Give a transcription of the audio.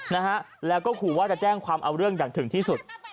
นะฮะแล้วก็ขู่ว่าจะแจ้งความเอาเรื่องอย่างถึงที่สุด